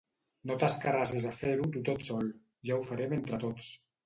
No t'escarrassis a fer-ho tu tot sol: ja ho farem entre tots.